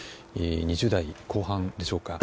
２０代後半でしょうか。